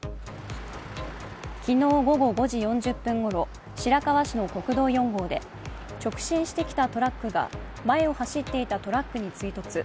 昨日午後５時４０分ごろ白河市の国道４号で直進してきたトラックが前を走っていたトラックに追突。